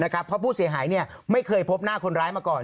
เพราะผู้เสียหายไม่เคยพบหน้าคนร้ายมาก่อน